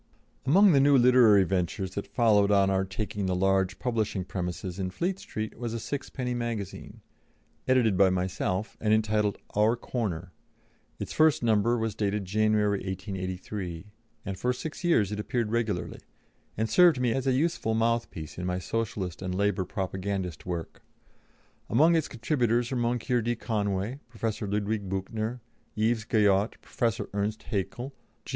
Among the new literary ventures that followed on our taking the large publishing premises in Fleet Street was a sixpenny magazine, edited by myself, and entitled Our Corner; its first number was dated January, 1883, and for six years it appeared regularly, and served me as a useful mouthpiece in my Socialist and Labour propagandist work. Among its contributors were Moncure D. Conway, Professor Ludwig Büchner, Yves Guyot, Professor Ernst Haeckel, G.